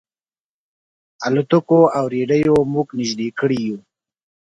الوتکو او رېډیو موږ نيژدې کړي یو.